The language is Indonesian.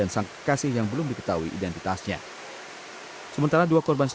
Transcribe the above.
sebelum akhirnya menghilang